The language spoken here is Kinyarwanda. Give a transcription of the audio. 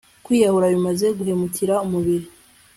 kwiyahura bimaze guhemukira umubiri